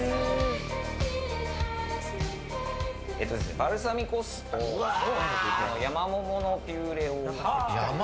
バルサミコ酢とヤマモモのピューレを。